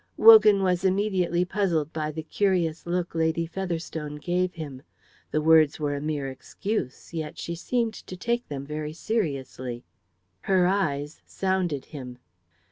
Wogan was immediately puzzled by the curious look Lady Featherstone gave him. The words were a mere excuse, yet she seemed to take them very seriously. Her eyes sounded him.